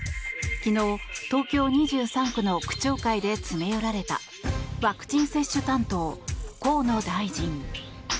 昨日、東京２３区の区長会で詰め寄られたワクチン接種担当河野大臣。